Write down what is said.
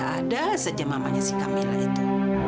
ada ada saja mamanya si kamila itu